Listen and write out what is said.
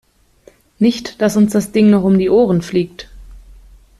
Nicht, dass uns das Ding noch um die Ohren fliegt.